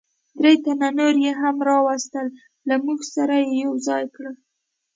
درې تنه نور یې هم را وستل، له موږ سره یې یو ځای کړل.